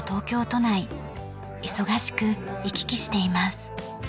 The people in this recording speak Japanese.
忙しく行き来しています。